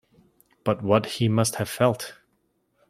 But what he must have felt!